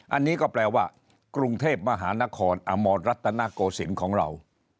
อันนี้ก็แปลว่ากรุงเทพมหานครอมรรัตนโกศิลป์ของเรา